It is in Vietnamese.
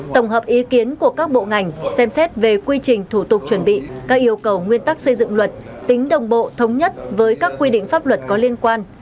tổng hợp ý kiến của các bộ ngành xem xét về quy trình thủ tục chuẩn bị các yêu cầu nguyên tắc xây dựng luật tính đồng bộ thống nhất với các quy định pháp luật có liên quan